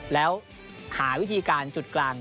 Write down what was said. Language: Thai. แล้วหาวิธีการจุดกลาง